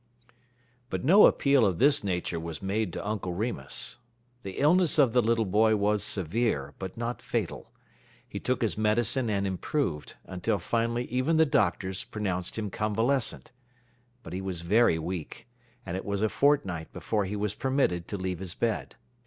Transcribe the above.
But no appeal of this nature was made to Uncle Remus. The illness of the little boy was severe, but not fatal. He took his medicine and improved, until finally even the doctors pronounced him convalescent. But he was very weak, and it was a fortnight before he was permitted to leave his bed.